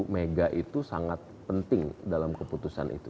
mega itu sangat penting dalam keputusan itu